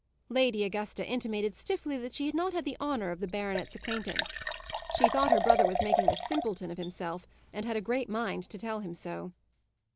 Lady Augusta intimated stiffly that she had not the honour of the baronet's acquaintance. She thought her brother was making a simpleton of himself, and had a great mind to tell him so.